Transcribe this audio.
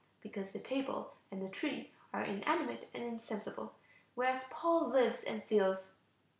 Because the table and the tree are inanimate and insensible, whereas Paul lives and feels.